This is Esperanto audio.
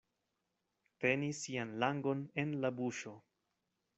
Teni sian langon en la buŝo.